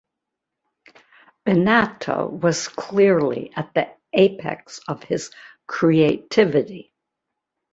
Bennato was clearly at the apex of his creativity.